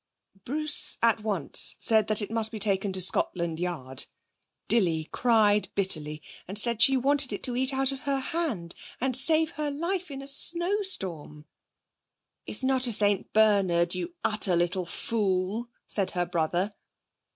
Bruce at once said that it must be taken to Scotland Yard. Dilly cried bitterly, and said she wanted it to eat out of her hand, and save her life in a snowstorm. 'It's not a St Bernard, you utter little fool,' said her brother.